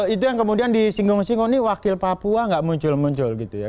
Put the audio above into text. itu yang kemudian disinggung singgung ini wakil papua nggak muncul muncul gitu ya